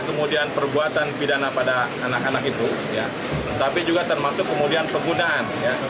kemudian perbuatan pidana pada anak anak itu tapi juga termasuk kemudian penggunaan